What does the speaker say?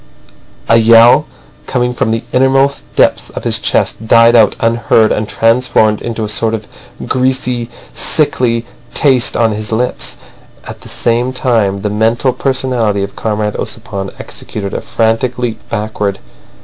A yell coming from the innermost depths of his chest died out unheard and transformed into a sort of greasy, sickly taste on his lips. At the same time the mental personality of Comrade Ossipon executed a frantic leap backward.